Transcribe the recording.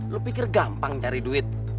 lu pikir gampang cari duit